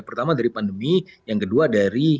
pertama dari pandemi yang kedua dari